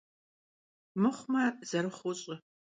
Mıxhume zerıxhuu ş'ı.